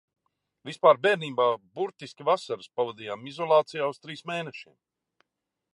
Vispār bērnībā burtiski vasaras pavadījām izolācijā uz trīs mēnešiem.